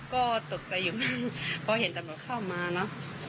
ก็ตกใจอยู่มั้งพอเห็นตำรวจเข้ามาเนอะ